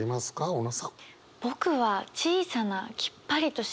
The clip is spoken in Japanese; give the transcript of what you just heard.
小野さん。